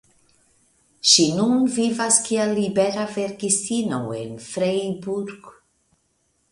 Ŝi nun vivas kiel libera verkistino en Freiburg.